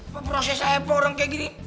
apa proses aja pak orang kayak gini